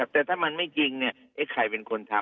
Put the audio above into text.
แต่ถ้ามันไม่จริงใครเป็นคนทำ